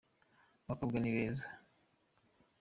Abakobwa ni beza.